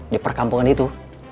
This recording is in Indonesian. di perkampungan itu